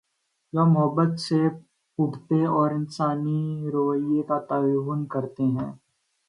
جومحبت سے پھوٹتے اور انسانی رویے کا تعین کر تے ہیں۔